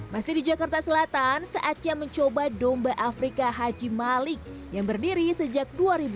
masih di jakarta selatan saatnya mencoba domba afrika haji malik yang berdiri sejak dua ribu